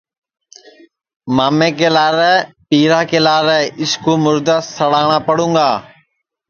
مامے کے لارے پیرا کے لارے اُس کوُ مُردا سِڑاٹؔا پڑوںگا